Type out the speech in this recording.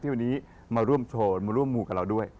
วันนี้มาร่วมโชว์มาร่วมมูลกับเราด้วย